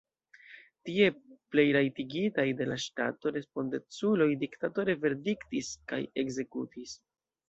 Tie, plenrajtigitaj de la ŝtato, respondeculoj diktatore verdiktis kaj ekzekutis.